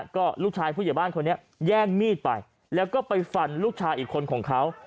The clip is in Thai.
ก็ลูกชายผู้ใหญ่บ้านคนนี้แย่งมีดไปแล้วก็ไปฟันลูกชายอีกคนของเขา